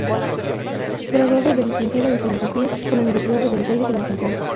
Graduado de licenciado en filosofía por la Universidad de Buenos Aires en Argentina.